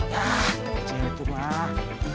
ya kecil itu mah